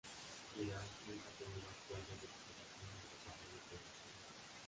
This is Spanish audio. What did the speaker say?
Irán nunca ha tenido acuerdos de cooperación al desarrollo con España.